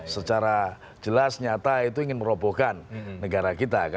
secara jelas nyata itu ingin merobohkan negara kita